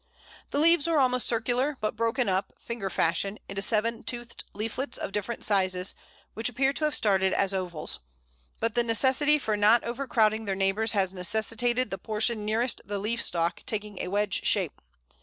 The leaves are almost circular, but broken up, finger fashion, into seven toothed leaflets of different sizes, which appear to have started as ovals, but the necessity for not overcrowding their neighbours has necessitated the portion nearest the leaf stalk taking a wedge shape.